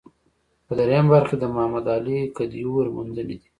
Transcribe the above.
په درېیمه برخه کې د محمد علي کدیور موندنې دي.